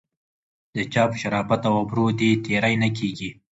د چا په شرافت او ابرو دې تېری نه کیږي.